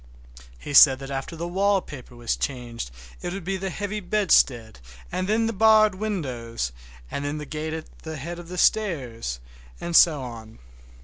He said that after the wallpaper was changed it would be the heavy bedstead, and then the barred windows, and then that gate at the head of the stairs, and so on.